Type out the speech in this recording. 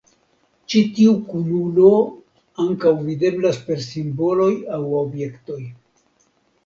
Ĉi tiu kunulo ankaŭ videblas per simboloj aŭ objektoj.